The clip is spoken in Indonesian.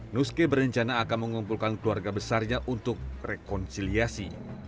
nuske berencana akan mengumpulkan keluarga besarnya untuk rekonsiliasi